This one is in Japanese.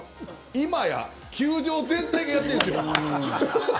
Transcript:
今や球場全体がやってるんですよ。